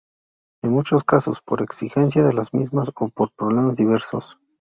En muchos casos, por exigencia de las mismas o por problemas diversos.